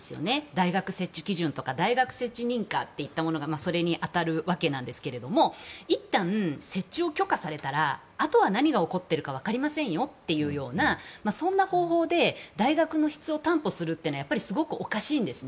大学設置基準とか大学設置認可といったものがそれに当たるわけですけれどもいったん設置を許可されたらあとは何が起こっているか分かりませんよというようなそんな方法で大学の質を担保するというのはやっぱりすごくおかしいんです。